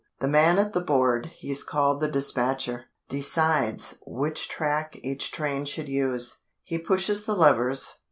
The man at the board he's called the dispatcher decides which track each train should use. He pushes the levers.